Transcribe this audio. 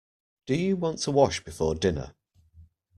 Do you want to wash before dinner?